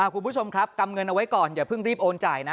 คุณผู้ชมครับกำเงินเอาไว้ก่อนอย่าเพิ่งรีบโอนจ่ายนะ